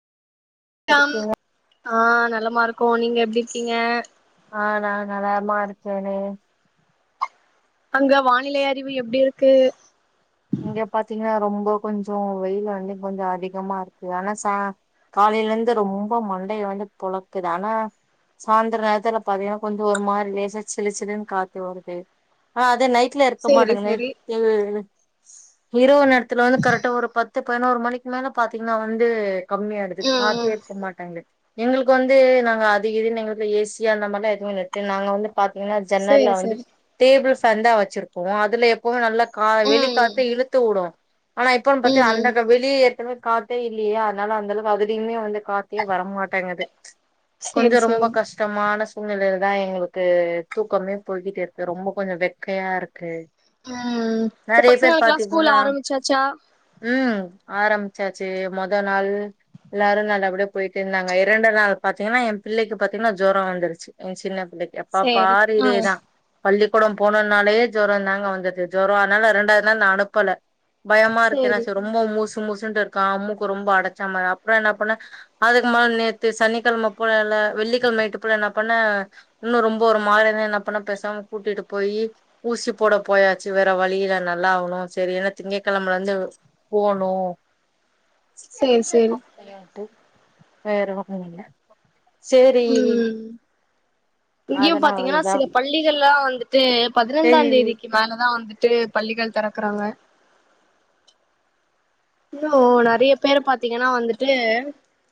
அதுக்கு ஆஹ் நலமா இருக்கோ நீங்க எப்படி இருக்கீங்க ஆஹ் நான் நலமா இருக்கேன்னே அங்க வானிலை அறிவு எப்படி இருக்கு இங்க பாத்தீங்கன்னா ரொம்ப இப்போ கொஞ்சம் வெயில் வந்து கொஞ்சம் அதிகமா இருக்கு ஆனா ச காலையில இருந்து ரொம்ப மண்டையை வந்து பொழக்குது ஆனா சாய்ந்தர நேரத்துல பாத்தீங்கன்னா கொஞ்சம் ஒரு மாதிரி லேசா சிலு சிலுன்னு காத்து வருது ஆனா அதே நைட் வீட்ல இருக்க சேரி மாட்டேங்க நை சேரி இரவு நேரத்துல வந்து கரெக்டா ஒரு பத்து து பதினொரு மணிக்கு மேலே பாத்தீங்கன்னா வந்து கம்மியாடுது ம் காத்தே இருக்க மாட்டாங்கது எங்குளுக்கு வந்து நாங்க அதிக [unintelligible] எங் வீட்ல ஏ சியா அந்த மார்லா எதுவு இல்ல இத்தின் நாங்ளா வந்து பாத்தீங்கன்னா சேரி ஜன்னல்ல சேரி வந்துச் டேபிள்ஸ் சந்தா வச்சிருப்போ அதுல எப்பவுமே நல்லாத் கா வெளி காத் ம் தூடோ ஆனா இப்பன் பாத்து ம் அந்தந்த வெளி ஏற்கனவே காத்தே இல்லீயா அதனால அந்த அளவுக்கு அதுலயுமே வந்து காத்தியே வரமாட்டேங்கது கொஞ்சோ சேரி ரொம்ப சேரி கஷ்டமான ஸ் சூழ்நிலைலதா எங்களுக்கு தூக்கமே போய்கிட்டே இருக்கு ரொம்போ கொஞ்சம் வெக்கையா இருக்கு ம் ஊ நெறைய பாசங்க பேர் ளைக்ளா ஸ்கூல் பாத்தீங்கன்னா ஆரம்பிச்சாச்சா ம் ஆரம்பிச்சாச்சு மொத நாள் எல்லாரும் நல்லப்படியா போயிட்டு இருந்தாங்க இரண்டு நாள் பாத்தீங்கன்னா என் பிள்ளைக்கு பாத்தீங்கன்னா ஜோரோ வந்துருச்சு என் சின்ன [unintelligible] எப்ப சேரி பாரு ஆ இதே தா பள்ளி கூடோ போனோன்னாலே ஜோரோந்தாங்க வந்துது ஜோரோ அதனால ரெண்டாத் லா நா அனுப்புல பயமா இருக்கு னா சேரி சு ரொம்போ மூசு மூசு [unintelligible] மூக்கு ரொம்ப அடச்சாம அப்ற என்ன பண்ண அதுக்கு மேல் நேத்து சனிக்கெழம போலல்ல வெள்ளிக்கெழம் நைட்டு போல னா பண்ண இன்னு ரொம்போ ஒரு மாரியாதா என்ன பண்ண பேசாம கூட்டிட்டு போயி ஊசி போட போயாச்சு வேற வழியில்ல நான் ல்லா ஆவுணு சேரி ஏனா திங்க கெழமலந்து போணு சேரி சேரி [unintelligible] வேற ஒன்னு இல்ல சேரி ம் இங்கியு பாத்தீங்கனா அதனாலதா சில பள்ளிகள்லா வந்து து பதிரெண்டாந் சேரி தேதிக்கி மேலதா வந்து ட்டு பள்ளிகள் தெறக்குறாங்க இன்னு நறைய பேர பாத்தீங்கனா வந்துட்டு